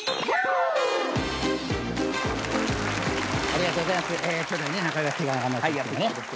ありがとうございます。